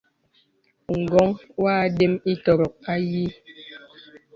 Ǹgɔ̄ŋ wɔ àdəm ìtɔ̀rɔ̀k ayìì.